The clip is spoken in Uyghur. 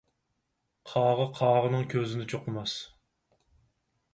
قاغا قاغىنىڭ كۆزىنى چوقۇماس.